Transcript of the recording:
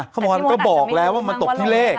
เขาบอกแล้วว่ามันตกที่เลข